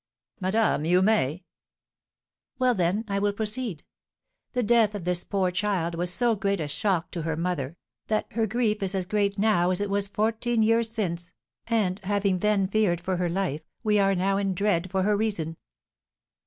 "Madame, you may." "Well, then, I will proceed. The death of this poor child was so great a shock to her mother, that her grief is as great now as it was fourteen years since, and, having then feared for her life, we are now in dread for her reason."